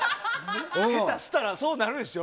下手したらそうなるでしょ。